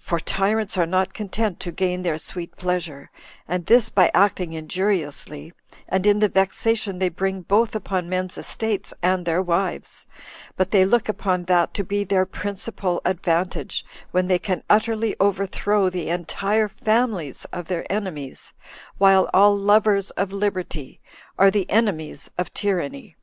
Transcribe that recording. For tyrants are not content to gain their sweet pleasure, and this by acting injuriously, and in the vexation they bring both upon men's estates and their wives; but they look upon that to be their principal advantage, when they can utterly overthrow the entire families of their enemies; while all lovers of liberty are the enemies of tyranny.